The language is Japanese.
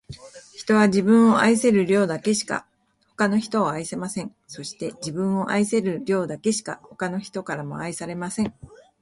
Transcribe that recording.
人は、自分を愛せる量だけしか、他の人を愛せません。そして、自分を愛せる量だけしか、他の人からも愛されません。